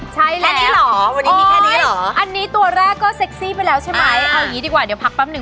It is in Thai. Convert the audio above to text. ใช่แล้วนี่เหรอวันนี้มีแค่นี้เหรออันนี้ตัวแรกก็เซ็กซี่ไปแล้วใช่ไหมเอาอย่างนี้ดีกว่าเดี๋ยวพักแป๊บหนึ่ง